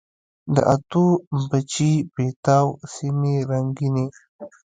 د اتو، بچي، پیتاو سیمي رنګیني